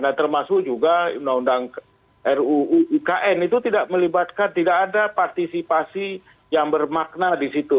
dan termasuk juga undang undang ruu ikn itu tidak melibatkan tidak ada partisipasi yang bermakna di situ